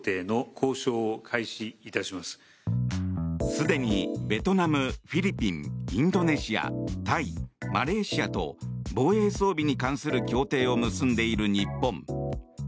すでにベトナム、フィリピンインドネシアタイ、マレーシアと防衛装備に関する協定を結んでいる日本。